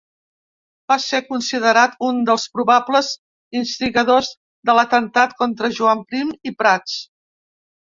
Va ser considerat un dels probables instigadors de l'Atemptat contra Joan Prim i Prats.